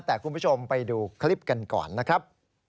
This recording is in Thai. แต่คุณผู้ชมไปดูคลิปกันก่อนนะครับ